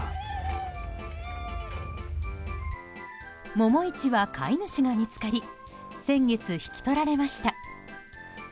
「百一」は飼い主が見つかり先月、引き取られました。